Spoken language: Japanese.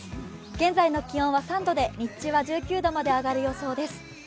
現在の気温は３度で日中は１９度まで上がる予想です。